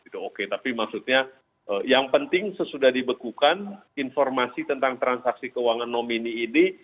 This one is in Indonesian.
tapi maksudnya yang penting sesudah dibekukan informasi tentang transaksi keuangan nomini ini